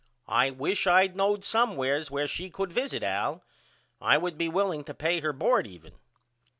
I wish I knowed somewheres where she could visit Al. I would be willing to pay her bord even.